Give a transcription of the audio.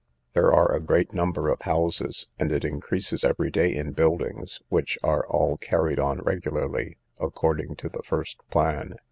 There are a great number of houses, and it increases every day in buildings, which are all carried on regularly, according to the first plan.